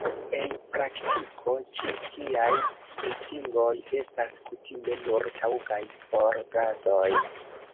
En praktiko, ĉi tiaj distingoj estas kutime nur taŭgaj por gasoj.